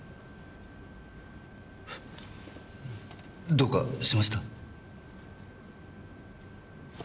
どうかしました？